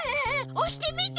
おしてみて！